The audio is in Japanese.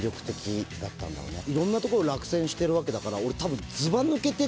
いろんなところ落選してるわけだからたぶん。